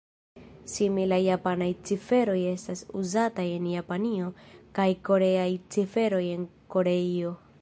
Similaj japanaj ciferoj estas uzataj en Japanio kaj koreaj ciferoj en Koreio.